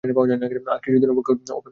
আর কিছু দিন অপেক্ষা করি লক্ষ্মীটি।